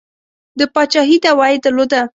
د پاچهي دعوه یې درلوده.